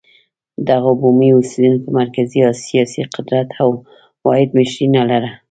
دغو بومي اوسېدونکو مرکزي سیاسي قدرت او واحده مشري نه لرله.